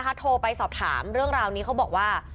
เหมือนกันนะคะโทรไปสอบถามเรื่องราวนี้เขาบอกว่า